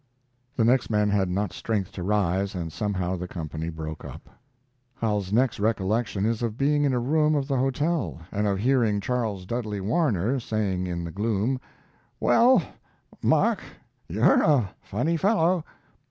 The next man had not strength to rise, and somehow the company broke up. Howells's next recollection is of being in a room of the hotel, and of hearing Charles Dudley Warner saying in the gloom: "Well, Mark, you're a funny fellow."